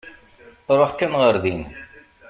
Ṛuḥ kan ɣer din.